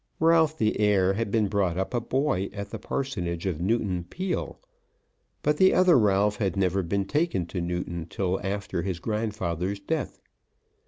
Ralph the heir had been brought up a boy at the parsonage of Newton Peele, but the other Ralph had never been taken to Newton till after his grandfather's death.